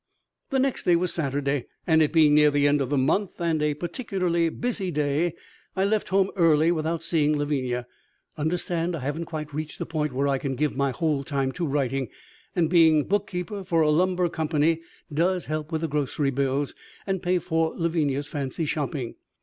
The next day was Saturday, and it being near the end of the month and a particularly busy day, I left home early without seeing Lavinia. Understand, I haven't quite reached the point where I can give my whole time to writing, and being bookkeeper for a lumber company does help with the grocery bills and pay for Lavinia's fancy shopping.